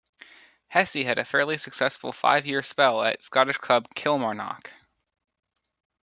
Hessey had a fairly successful five-year spell at Scottish club Kilmarnock.